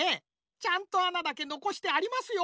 ちゃんと穴だけのこしてありますよ。